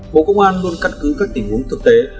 bộ công an luôn căn cứ các tình huống thực tế